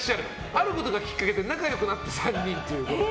あることがきっかけで仲良くなった３人ということで。